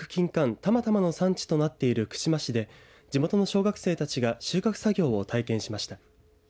たまたまの産地となっている串間市で地元の小学生たちが収穫作業を体験しました。